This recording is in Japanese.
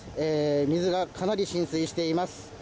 水がかなり浸水しています。